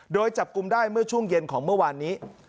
โดยจับกลุ่มได้เมื่อช่วงเย็นของเมื่อวานนี้